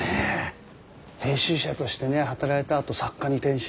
編集者としてね働いたあと作家に転身。